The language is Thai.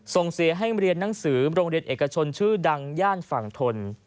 ส่งเสียให้เรียนหนังสือโรงเรียนเอกชนชื่อดังย่านฝั่งทน